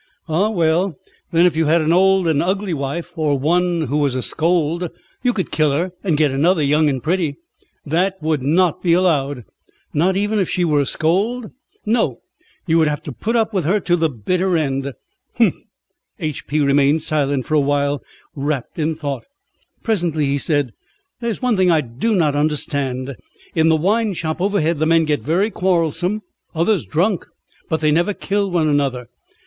"Ah, well. Then if you had an old and ugly wife, or one who was a scold, you could kill her and get another, young and pretty." "That would not be allowed." "Not even if she were a scold?" "No, you would have to put up with her to the bitter end." "Humph!" H. P. remained silent for a while wrapped in thought. Presently he said: "There is one thing I do not understand. In the wine shop overhead the men get very quarrelsome, others drunk, but they never kill one another."